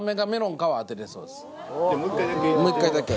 もう一回だけ。